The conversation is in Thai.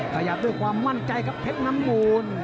ขยับด้วยความมั่นใจครับเพชรน้ำมูล